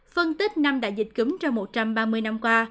phân tích năm đại dịch cứng trong một trăm ba mươi năm qua